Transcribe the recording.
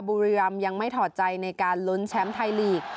บุรีรำยังไม่ถอดใจในการลุ้นแชมป์ไทยลีก